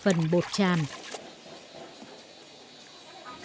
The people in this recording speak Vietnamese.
phần bột tràm sẽ được hòa với nước